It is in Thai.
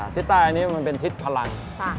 ทิศใต้อันนี้มันเป็นทิศพลัง